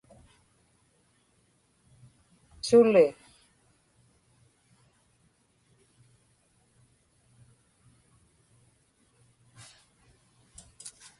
suli